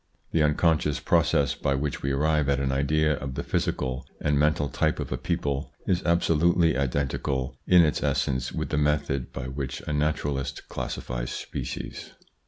The unconscious pro cess by which we arrive at an idea of the physical and mental type of a people is absolutely identical in its essence with the method by which a naturalist classifies species.